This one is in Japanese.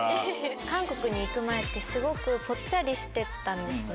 韓国に行く前ってすごくポッチャリしてたんですね。